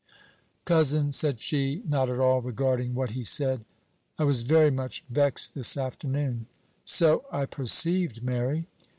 "Cousin," said she, not at all regarding what he said, "I was very much vexed this afternoon." "So I perceived, Mary."